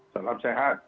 salam sehat waalaikumsalam